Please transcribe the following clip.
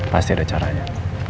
pasti ada caranya